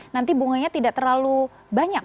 nanti bunganya tidak terlalu banyak